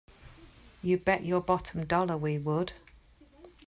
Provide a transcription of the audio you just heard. You bet your bottom dollar we would!